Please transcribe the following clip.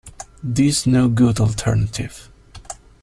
This no good alternative.